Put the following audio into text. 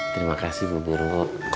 terima kasih bu duru